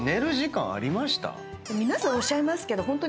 皆さんおっしゃいますけどホントに。